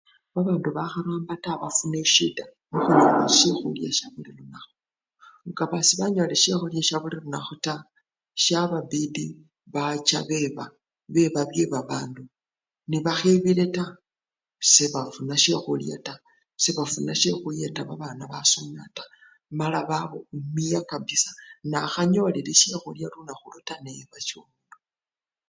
Babandu bakharamba taa bafuna esyida mukhufuna syekhulya syabuli lunakhu, nga sebanyolile syekhulya syabuli lunakhu taa, syababidi bacha beba, beba byebabandu, nebakhebile taa, ebafuna syekhulya taa, sebafuna syekhuyeta babana basoma taa mala bawumiya kabisa nakhanyolile syekhulya lunakhu olwo taa, ne-eba syomundu.